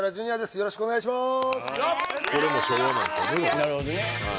よろしくお願いします